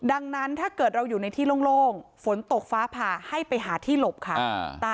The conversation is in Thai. ดังนั้นถ้าเกิดเราอยู่ในที่โล่งฝนตกฟ้าผ่าให้ไปหาที่หลบค่ะ